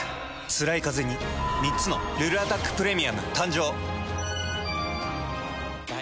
つらいカゼに３つの「ルルアタックプレミアム」誕生。